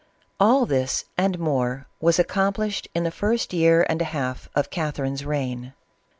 All this, and more, was accomplished in the first year and a half of Catherine's reign.